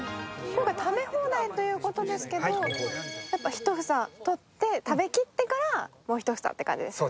食べ放題ということですけど、１房取って、食べきってから、もう１房という感じですよね？